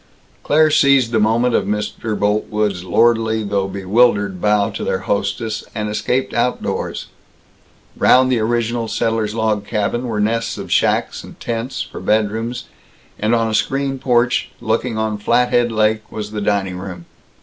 Claire seized the moment of Mr. Boltwood's lordly though bewildered bow to their hostess, and escaped outdoors. Round the original settler's log cabin were nests of shacks and tents, for bedrooms, and on a screened porch, looking on Flathead Lake, was the dining room.